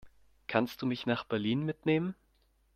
Kannst du mich nach Berlin mitnehmen?